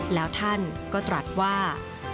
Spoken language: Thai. แล้วท่านก็ตรัสว่า